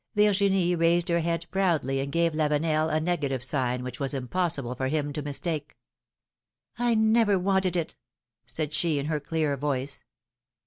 Virginie raised her head proudly and gave Lavenel a negative sign which was impossible for him to mistake, never wanted it,'^ said she in her clear voice.